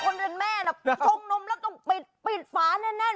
คุณนั่นแหละคนเปียกคนเปลี่ยนแม่ค่ะตรงนมแล้วก็ต้องปิดฟ้าแน่